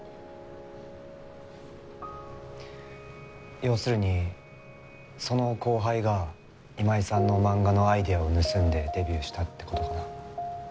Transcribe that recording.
要するにその後輩が今井さんの漫画のアイデアを盗んでデビューしたって事かな？